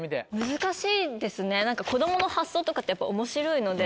難しいですね子供の発想とかってやっぱ面白いので。